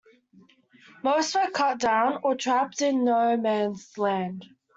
Most were cut down or trapped in no man's land.